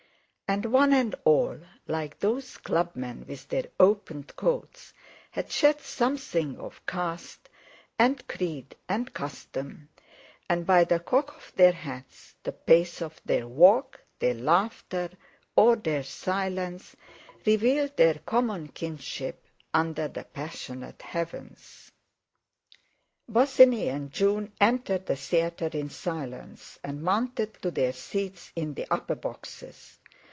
And one and all, like those clubmen with their opened coats, had shed something of caste, and creed, and custom, and by the cock of their hats, the pace of their walk, their laughter, or their silence, revealed their common kinship under the passionate heavens. Bosinney and June entered the theatre in silence, and mounted to their seats in the upper boxes.